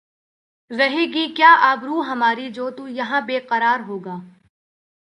رہے گی کیا آبرو ہماری جو تو یہاں بے قرار ہوگا